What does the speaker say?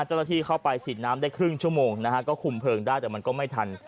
เจ้าหน้าที่เข้าไปฉีดน้ำได้ครึ่งชั่วโมงนะฮะก็คุมเพลิงได้แต่มันก็ไม่ทัน